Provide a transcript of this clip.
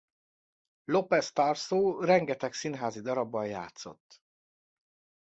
López Tarso rengeteg színházi darabban játszott.